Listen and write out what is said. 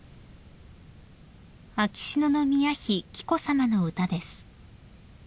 ［秋篠宮妃紀子さまの歌です］